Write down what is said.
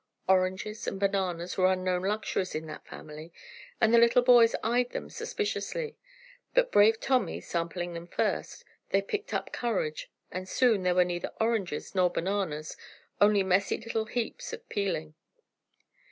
Oranges and bananas were unknown luxuries in that family, and the little boys eyed them suspiciously, but brave Tommy sampling them first, they picked up courage, and soon there were neither oranges nor bananas, only messy little heaps of peeling.